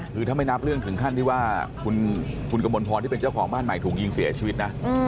คือถ้าไม่นับเรื่องถึงขั้นที่ว่าคุณกมลพรที่เป็นเจ้าของบ้านใหม่ถูกยิงเสียชีวิตนะ